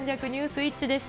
イッチでした。